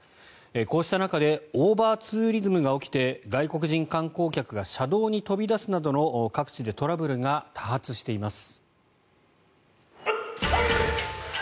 こうした中でオーバーツーリズムが起きて外国人観光客が車道に飛び出すなどの各地でトラブルが多発しています。